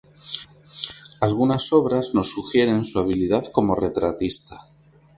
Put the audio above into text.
Algunas obras nos sugieren su habilidad como retratista.